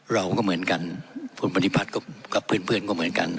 เราก็เหมือนกันคุณปฏิพัฒน์กับเพื่อนก็เหมือนกัน